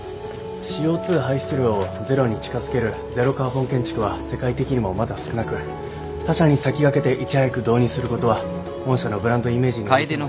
ＣＯ２排出量をゼロに近づけるゼロカーボン建築は世界的にもまだ少なく他社に先駆けていち早く導入することは御社のブランドイメージにおいても。